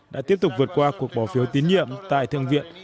đã tiếp tục vượt qua cuộc bỏ phiếu tín nhiệm tại thượng viện